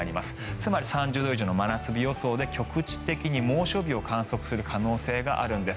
つまり３０度以上の真夏日予想で局地的に猛暑日を観測するところがあるんです。